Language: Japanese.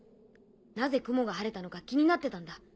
なぜ雲が晴れたのか気になってたんだ。